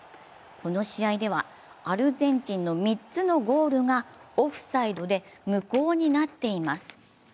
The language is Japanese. この試合ではアルゼンチンの３つのゴールがオフサイドで無効になっています。